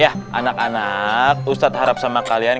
ya anak anak ustadz harap sama kalian